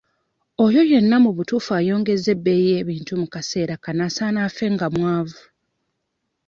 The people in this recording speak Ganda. Oyo yenna mu butuufu ayongeza ebbeeyi y'ebintu mu kaseera kano asaana afe nga mwavu.